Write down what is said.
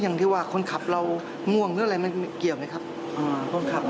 อย่างที่ว่าคนขับเราง่วงหรืออะไรมันเกี่ยวไหมครับคนขับ